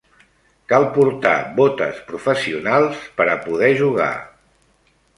Cal portar botes professionals per a poder jugar.